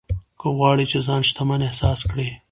که غواړې چې ځان شتمن احساس کړې.